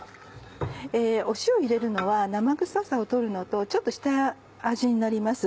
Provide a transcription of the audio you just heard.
塩入れるのは生臭さを取るのとちょっと下味になります。